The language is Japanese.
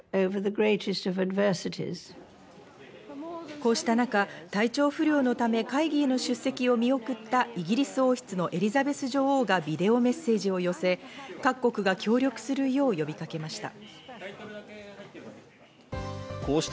こうした中、体調不良のため会議への出席を見送ったイギリス王室のエリザベス女王がビデオメッセージを寄せ、各国が協力するよう呼びかけました。